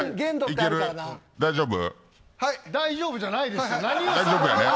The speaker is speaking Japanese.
大丈夫じゃないですよ。